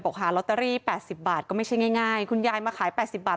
บอกค่ะลอตเตอรี่แปดสิบบาทก็ไม่ใช่ง่ายง่ายคุณยายมาขายแปดสิบบาท